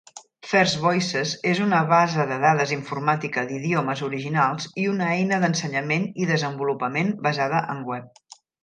FirstVoices és una base de dades informàtica d'idiomes originals i una eina d'ensenyament i desenvolupament basada en web.